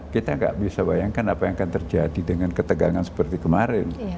kita nggak bisa bayangkan apa yang akan terjadi dengan ketegangan seperti kemarin